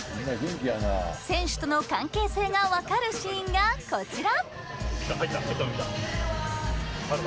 選手との関係性がわかるシーンがこちら。